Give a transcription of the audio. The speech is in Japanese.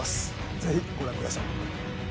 ぜひご覧ください。